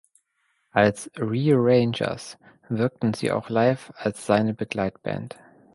Als „Rio Rangers“ wirkten sie auch live als seine Begleitband.